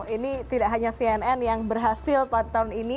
ini tidak hanya cnn yang berhasil empat tahun ini